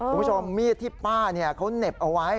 คุณผู้ชมมีดที่ป้าเขาเหน็บเอาไว้